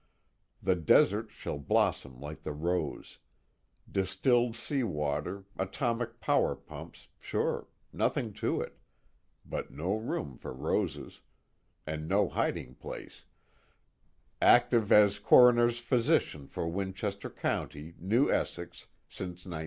The desert shall blossom like the rose: distilled sea water, atomic power pumps, sure, nothing to it, but no room for roses, and no hiding place "active as Coroner's physician for Winchester County, New Essex, since 1952."